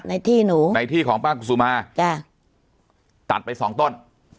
ที่หนูในที่ของป้ากุศุมาจ้ะตัดไปสองต้น